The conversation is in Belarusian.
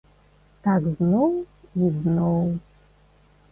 Так зноў і зноў.